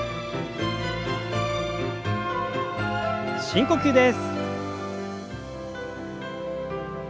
深呼吸です。